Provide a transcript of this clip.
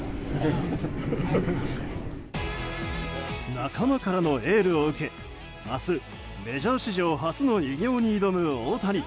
仲間からのエールを受け明日、メジャー史上初の偉業に挑む大谷。